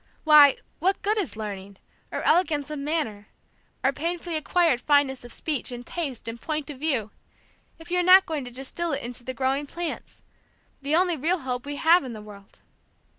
Why, what good is learning, or elegance of manner, or painfully acquired fineness of speech, and taste and point of view, if you are not going to distil it into the growing plants, the only real hope we have in the world!